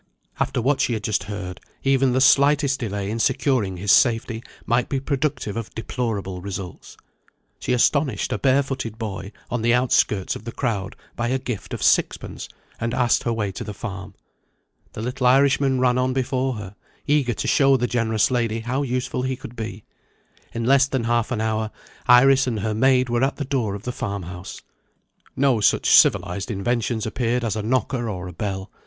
After what she had just heard, even the slightest delay in securing his safety might be productive of deplorable results. She astonished a barefooted boy, on the outskirts of the crowd, by a gift of sixpence, and asked her way to the farm. The little Irishman ran on before her, eager to show the generous lady how useful he could be. In less than half an hour, Iris and her maid were at the door of the farm house. No such civilised inventions appeared as a knocker or a bell.